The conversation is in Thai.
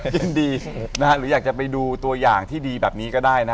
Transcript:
ยินดีหรืออยากจะไปดูตัวอย่างที่ดีแบบนี้ก็ได้นะ